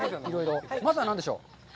まずは何でしょう？